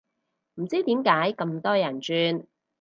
唔知點解咁多人轉